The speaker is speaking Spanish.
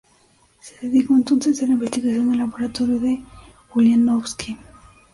Se dedicó entonces a la investigación en laboratorio en Uliánovsk.